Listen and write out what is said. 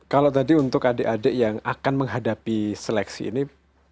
kalau tadi untuk adik adik yang akan menghadapi seleksi ini